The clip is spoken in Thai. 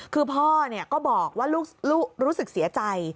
คือพ่อก็บอกว่าลูกรู้สึกเสียใจ